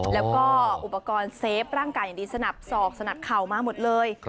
แล้วก็อุปกรณ์เซฟร่างกายอย่างดีสนับสอกสนับเข่ามาหมดเลย